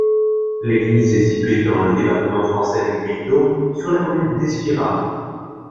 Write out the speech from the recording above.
L'église est située dans le département français du Puy-de-Dôme, sur la commune d'Espirat.